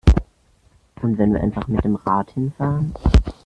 Und wenn wir einfach mit dem Rad hinfahren?